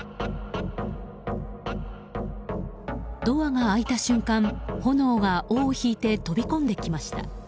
ドアが開いた瞬間炎が尾を引いて飛び込んできました。